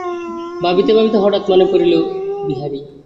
ভাবিতে ভাবিতে হঠাৎ মনে পড়িল–বিহারী।